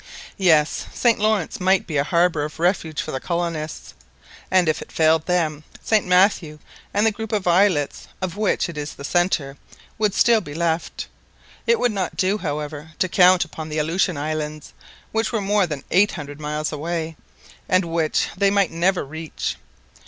Yes! St Lawrence might be a harbour of refuge for the colonists, and if it failed them, St Matthew, and the group of islets of which it is the centre, would still be left. It would not do, however, to count upon the Aleutian Islands, which were more than eight hundred miles away, and which they might never reach.